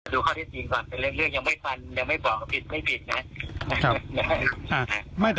ข้อที่จริงก่อนเป็นเรื่องยังไม่ฟันยังไม่บอกว่าผิดไม่ผิดนะ